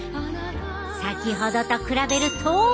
先ほどと比べると。